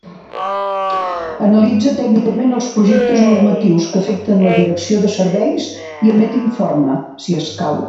Analitza tècnicament els projectes normatius que afecten la Direcció de Serveis i emet informe, si escau.